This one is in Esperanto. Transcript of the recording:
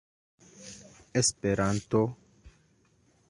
esperanto